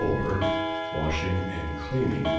WASHING AND CLEANING.